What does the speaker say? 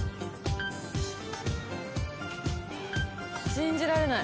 信じられない。